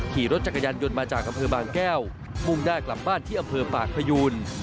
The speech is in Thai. ขี่รถจักรยานยนต์มาจากอำเภอบางแก้วมุ่งหน้ากลับบ้านที่อำเภอปากพยูน